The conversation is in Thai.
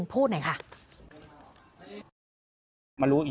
ที่อยู่กองพี่นายอยู่ก็เลย